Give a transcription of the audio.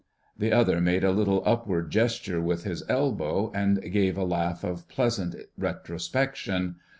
The other made a little upward gesture with his elbow and gave a laugh of pleasant retrospection.